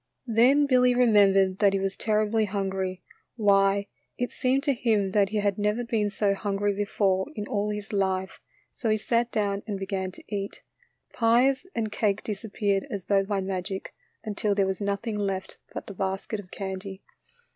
Then Billy remembered that he was terribly hungry. Why, it seemed to him that he had never been so hungry before in all his life, so he sat down and began to eat. Pies and cake disappeared as though by magic, until there was nothing left but the basket of candy.